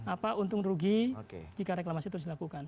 apa untung rugi jika reklamasi terus dilakukan